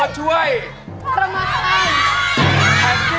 ๓ใน๔